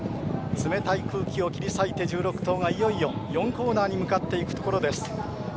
冷たい空気を切り裂いて１６頭がいよいよ４コーナーに向かっていくところです。